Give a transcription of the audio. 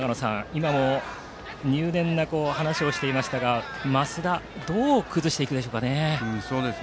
今も入念な話をしていましたが増田をどう崩していくでしょうかね。